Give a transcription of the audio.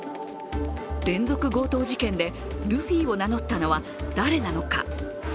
連続強盗事件でルフィを名乗ったのは誰なのか。